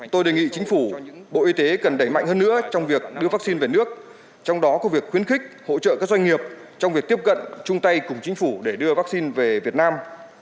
tôi đề nghị chính phủ bộ y tế cần đẩy mạnh hơn nữa trong việc đưa vaccine về nước trong đó có việc khuyến khích hỗ trợ các doanh nghiệp trong việc tiếp cận chung tay cùng chính phủ để đưa vaccine về việt nam